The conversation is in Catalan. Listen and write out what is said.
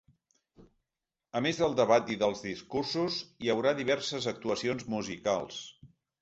A més del debat i dels discursos, hi haurà diverses actuacions musicals.